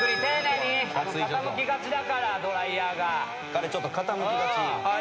彼ちょっと傾きがち。